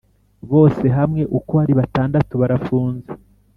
bose hamwe uko ari batandatu barafunze